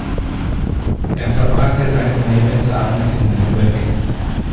Er verbrachte seinen Lebensabend in Lübeck.